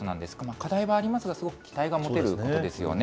課題はありますが、大変期待が持てることですよね。